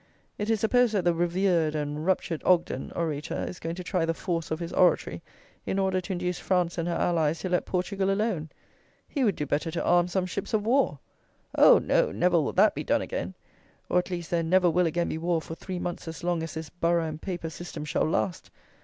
It is supposed that the "revered and ruptured Ogden" orator is going to try the force of his oratory in order to induce France and her allies to let Portugal alone. He would do better to arm some ships of war! Oh! no: never will that be done again; or, at least, there never will again be war for three months as long as this borough and paper system shall last!